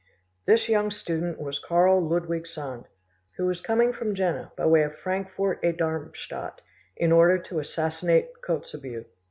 This young Student was Karl Ludwig Sand, who was coming from Jena, by way of Frankfort aid Darmstadt, in order to assassinate Kotzebue.